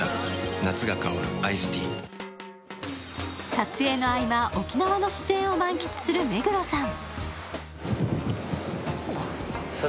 撮影の合間、沖縄の自然を満喫する目黒さん。